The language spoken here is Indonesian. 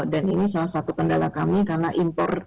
dan ini salah satu kendala kami karena impor